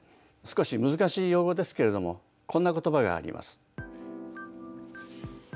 少し難しい用語ですけれどもこんな言葉があります。